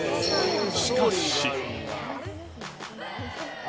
しかし。